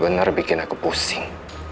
benar bikin aku pusing